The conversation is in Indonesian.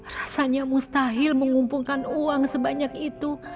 rasanya mustahil mengumpungkan uang sebanyak itu